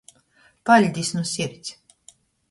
Paļdis nu sirds!